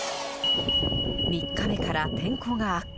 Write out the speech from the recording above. ３日目から天候が悪化。